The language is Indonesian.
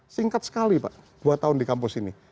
singkat sekali pak dua tahun di kampus ini